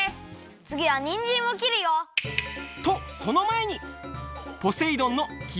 つぎはにんじんをきるよ。とそのまえに！